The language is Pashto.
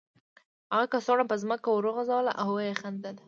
هغه کڅوړه په ځمکه وغورځوله او ویې خندل